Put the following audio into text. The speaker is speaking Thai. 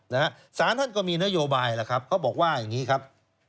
สารท่านก็มีนโยบายล่ะครับเขาบอกว่าอย่างนี้ครับ